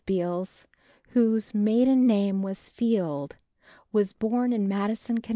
Beals, whose maiden name was Field, was born in Madison, Conn.